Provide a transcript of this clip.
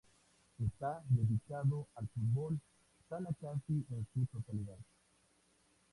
Está dedicado al fútbol sala casi en su totalidad.